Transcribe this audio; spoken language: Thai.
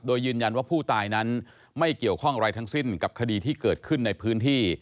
โดยยืนยันว่าผู้ตายนั้นไม่เกี่ยวข้องอะไรทั้งสิ้นกับคดีที่เกิดขึ้นในพื้นที่